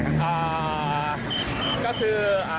อ่าก็คือ